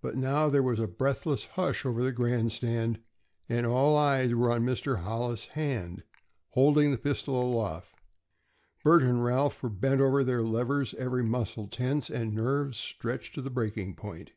But now there was a breathless hush over the grandstand, and all eyes were on Mr. Hollis's hand, holding the pistol aloft. Bert and Ralph were bent over their levers, every muscle tense, and nerves stretched to the breaking point.